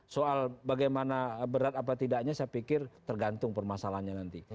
soal bagaimana berat apa tidaknya saya pikir tergantung permasalahannya nanti